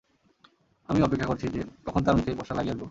আমিও অপেক্ষা করছি যে কখন তার মুখে এই পোস্টার লাগিয়ে আসবো!